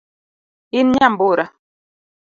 In nyambura